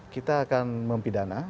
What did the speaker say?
kita akan mempidana